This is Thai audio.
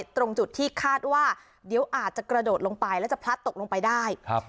ตรงจุดที่คาดว่าเดี๋ยวอาจจะกระโดดลงไปแล้วจะพลัดตกลงไปได้